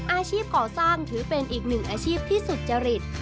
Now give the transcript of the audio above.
อาชีพก่อสร้างถือเป็นอีกหนึ่งอาชีพที่สุจริต